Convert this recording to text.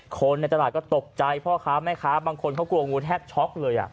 คนในตลาดก็ตกใจพ่อค้าแม่ค้าบางคนเขากลัวงูแทบช็อกเลย